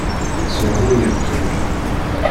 Ṣṣwab ur yeqqim.